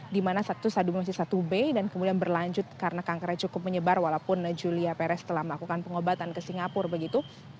di mana status sadu masih satu b dan kemudian berlanjut karena kankernya cukup menyebar walaupun julia perez telah melakukan pengobatan ke singapura begitu